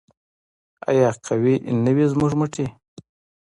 آیا قوي دې نه وي زموږ مټې؟